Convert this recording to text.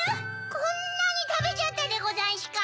こんなにたべちゃったでござんしゅか？